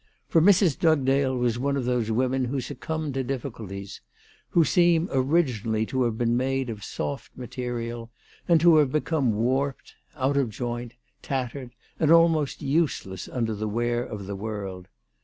For Mrs. Dugdale was one of those women who ALICE DUGDALE. 325 succumb to difficulties, who seem originally to have been made of soft material and to have become warped, out of joint, tattered, and almost useless under the wear of the world.